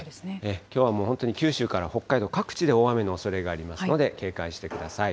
きょうはもう本当に九州から北海道、各地で大雨のおそれがありますので、警戒してください。